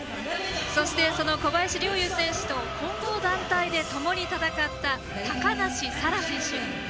そして、その小林陵侑選手と混合団体でともに戦った高梨沙羅選手。